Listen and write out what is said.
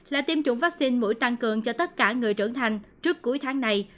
là tiêm chủng vaccine mũi tăng cường cho tất cả người trưởng thành trước cuối tháng này